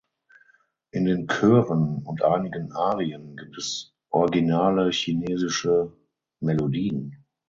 In den Chören und einigen Arien gibt es originale chinesische Melodien.